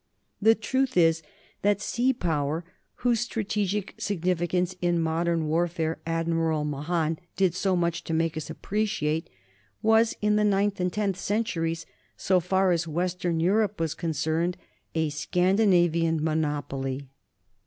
The truth is that sea power, whose strategic significance in modern war fare Admiral Mahan did so much to make us appreciate, was in the ninth and tenth centuries, so far as western Europe was concerned, a Scandinavian monopoly.